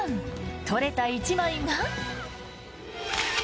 撮れた１枚が。